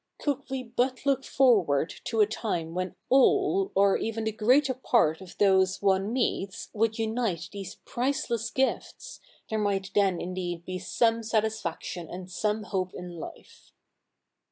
Could we but look forward to a time when all or even the greater part of those one meets would unite these price less gifts, there might then indeed be some satisfaction and some hope in life.'